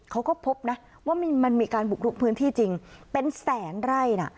เขาก็พบนะว่ามันมีการบุกลุกพื้นที่จริงเป็นแสนไร่นะ